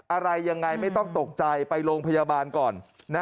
อะไรยังไงไม่ต้องตกใจไปโรงพยาบาลก่อน